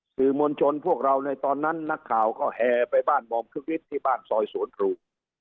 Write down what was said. สื่อมวลชนพวกเราในตอนนั้นนักข่าวก็แห่ไปบ้านบอมคึกวิทย์ที่บ้านซอยสวนครู